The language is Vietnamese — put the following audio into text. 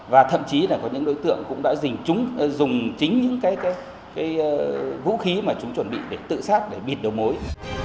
và thậm chí là có những đối tượng cũng đã dình dùng chính những cái vũ khí mà chúng chuẩn bị để tự sát để bịt đầu mối